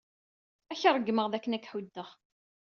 Ad ak-ṛeggmeɣ dakken ad k-ḥuddeɣ.